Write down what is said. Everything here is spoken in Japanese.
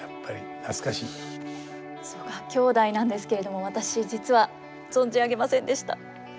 曽我兄弟なんですけれども私実は存じ上げませんでした。